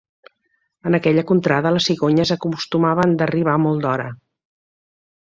En aquella contrada les cigonyes acostumaven d'arribar molt d'hora.